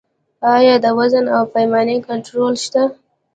آیا د وزن او پیمانې کنټرول شته؟